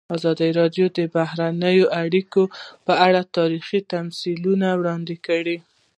ازادي راډیو د بهرنۍ اړیکې په اړه تاریخي تمثیلونه وړاندې کړي.